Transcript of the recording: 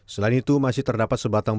selain itu masih terdapat sebatang